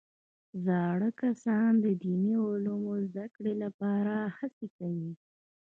زاړه کسان د دیني علومو زده کړې لپاره هڅې کوي